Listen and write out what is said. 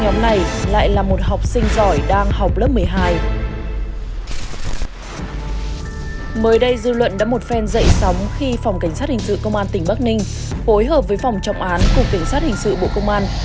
hối hợp với phòng trọng án cục cảnh sát hình sự bộ công an